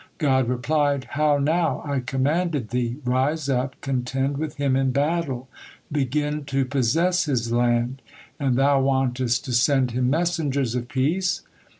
God replied: "How now! I commanded thee, 'Rise up, contend with him in battle, begin to possess his land!' and thou wantest to send him messengers of peace?"